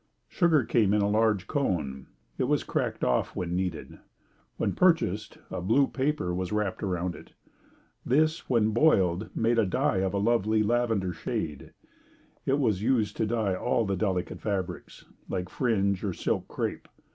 Sugar came in a large cone. It was cracked off when needed. When purchased, a blue paper was wrapped around it. This when boiled, made a dye of a lovely lavender shade. It was used to dye all delicate fabrics, like fringe or silk crepe.